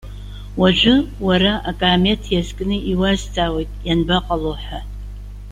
Уажәы, уара акаамеҭ иазкны иуазҵаауеит, ианбаҟало?- ҳәа.